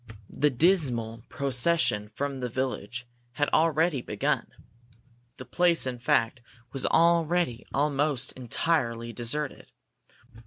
The dismal procession from the village had already begun. The place, in fact, was already almost entirely deserted.